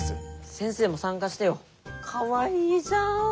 先生も参加してよ。かわいいじゃん！